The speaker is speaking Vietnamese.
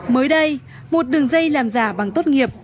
mới đây một đường dây làm giả bằng tốt nghiệp